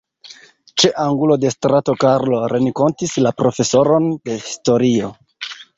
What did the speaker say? Ĉe angulo de strato Karlo renkontis la profesoron de historio.